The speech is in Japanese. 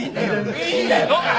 いいんだよな。